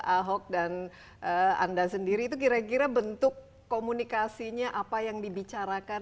ahok dan anda sendiri itu kira kira bentuk komunikasinya apa yang dibicarakan